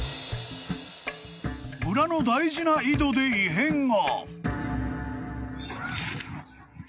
［村の大事な井戸で異変が］